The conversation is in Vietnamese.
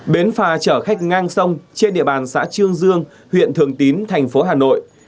bến phả chở khách ngang sông trên địa bàn xã trương dương huyện thường tín tp hà nội